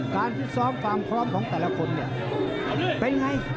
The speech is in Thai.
การคืนซ้อมความครอบของแต่ละคนเนี่ยเป็นไง